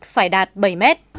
phải đạt bảy m